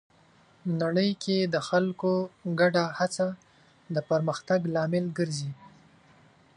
نړۍ کې د خلکو ګډه هڅه د پرمختګ لامل ګرځي.